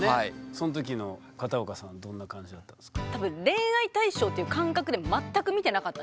その時の片岡さんはどんな感じだったんですか？